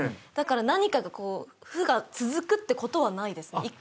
だから負が続くってことはないですね。